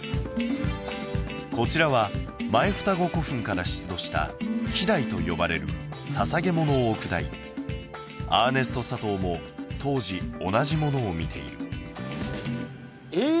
こちらは前二子古墳から出土した器台と呼ばれる捧げ物を置く台アーネスト・サトウも当時同じものを見ているえ！